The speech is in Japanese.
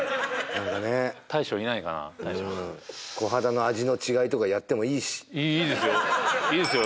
何かね大将いないかな大将こはだの味の違いとかやってもいいしいいですよいいですよ